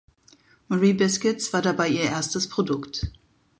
Marie Biscuits war dabei ihr erstes Produkt.